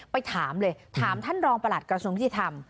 ไปถามเลยถามท่านรองประหลัดกระทรวงยุติธรรม